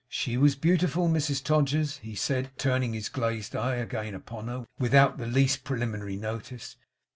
'She was beautiful, Mrs Todgers,' he said, turning his glazed eye again upon her, without the least preliminary notice.